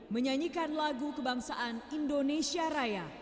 menyanyikan lagu kebangsaan indonesia raya